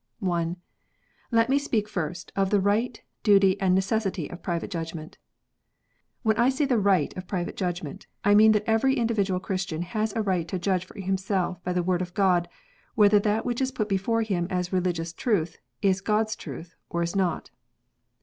I. Let me speak first, of the right, duty, and necessity of private judgment. "When I say the right of private judgment, I mean that every individual Christian has a right to judge for himself by the "Word of God, whether that which is put before him as religious truth is God s truth, or is not.